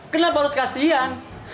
kenapa harus kasihan